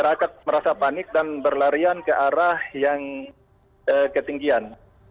masyarakat merasa panik dan berlarian ke arah yang ketinggian